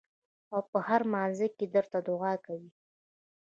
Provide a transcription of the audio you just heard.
او پۀ هر مانځه کښې درته دعا کوي ـ